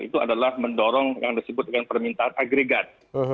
itu adalah mendorong yang disebut dengan permintaan agregat